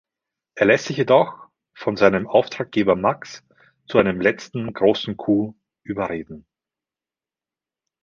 Er lässt sich jedoch von seinem Auftraggeber Max zu einem letzten großen Coup überreden.